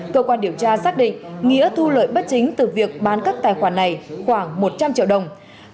cơ quan điều tra xác định nghĩa thu lợi bất chính từ việc bán các tài khoản này khoảng một trăm linh triệu đồng